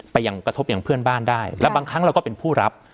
ยังกระทบอย่างเพื่อนบ้านได้แล้วบางครั้งเราก็เป็นผู้รับ